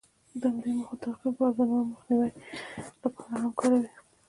د همدې موخو د تعقیب لپاره یې د نورو د مخنیوي لپاره هم کاروي.